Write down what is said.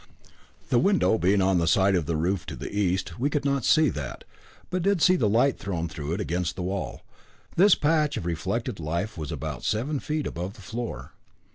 The window being on the side of the roof to the east, we could not see that, but did see the light thrown through it against the wall. This patch of reflected light was about seven feet above the floor.